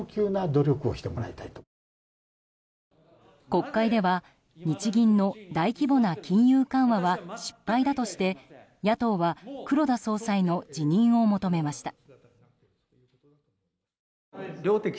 国会では日銀の大規模な金融緩和は失敗だとして野党は黒田総裁の辞任を求めました。